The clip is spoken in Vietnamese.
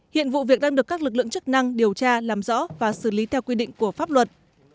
hiện vụ việc đang được các lực lượng chức năng điều tra làm rõ và xử lý theo quy định của pháp luật